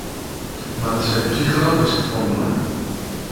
Mar it is ek psychologysk fan belang.